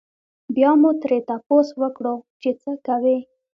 بيا مو ترې تپوس وکړو چې څۀ کوئ؟